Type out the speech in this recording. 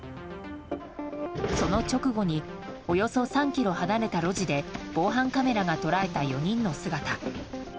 その直後におよそ３ｋｍ離れた路地で防犯カメラが捉えた４人の姿。